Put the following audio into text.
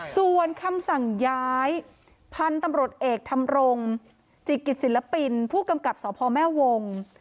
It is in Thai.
ส่วนคำสั่งย้ายพันธุ์ตำรวจเอกธรรมรงจิกิตศิลปินผู้กำกับสพแม่วง